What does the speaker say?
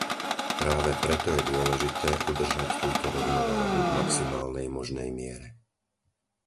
Práve preto je dôležité, udržať túto rovnováhu v maximálnej možnej miere.